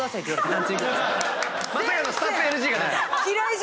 まさかのスタッフＮＧが出た。